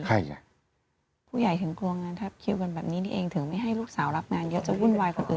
ใครอ่ะผู้ใหญ่ถึงกลัวงานทับคิวกันแบบนี้นี่เองถึงไม่ให้ลูกสาวรับงานเยอะจะวุ่นวายกว่าอื่น